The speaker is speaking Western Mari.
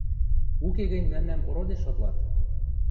Уке гӹнь мӓмнӓм ородеш шотлат.